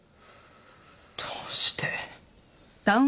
どうして。